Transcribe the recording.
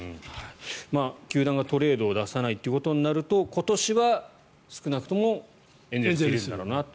球団がトレードを出さないということになると今年は少なくともエンゼルスにいるだろうなと。